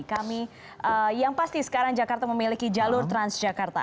kami yang pasti sekarang jakarta memiliki jalur transjakarta